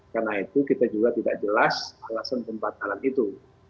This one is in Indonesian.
karena itu kita juga tidak jelas alasan pembatalan itu